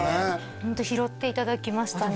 ホント拾っていただきましたね